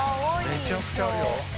めちゃくちゃあるぞ